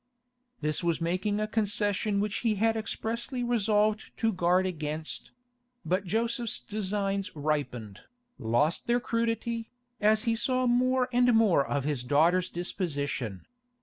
This was making a concession which he had expressly resolved to guard against; but Joseph's designs ripened, lost their crudity, as he saw more and more of his daughter's disposition.